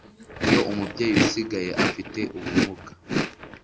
iyo umubyeyi usigaye afite ubumuga